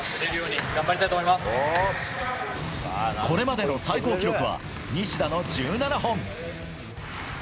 これまでの最高記録は西田の１７本。